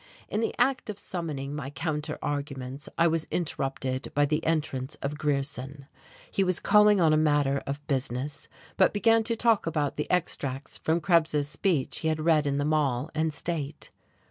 In the act of summoning my counter arguments I was interrupted by the entrance of Grierson. He was calling on a matter of business, but began to talk about the extracts from Krebs's speech he had read in the Mail and State.